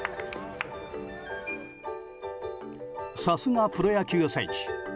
さすがプロ野球選手。